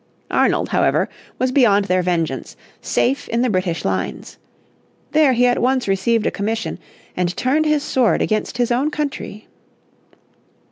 Arnold, however, was beyond their vengeance, safe in the British lines. There he at once received a commission, and turned his sword against his own country.